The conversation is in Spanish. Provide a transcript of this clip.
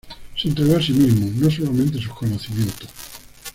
Se entregó a sí mismo, no solamente sus conocimientos.